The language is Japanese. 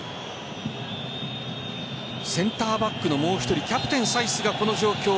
センターバックのもう１人キャプテン・サイスがこの状況。